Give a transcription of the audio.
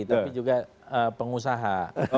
tapi juga pengusaha